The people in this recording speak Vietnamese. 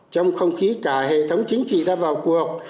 trong không khí cả hệ thống chính trị đã vào cuộc